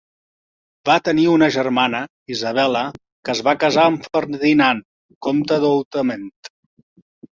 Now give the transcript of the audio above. Va tenir una germana, Isabella, que es va casar amb Ferdinand, comte d'Outhement.